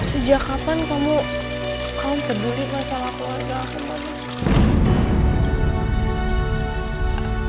sejak kapan kamu peduli masalah keluarga aku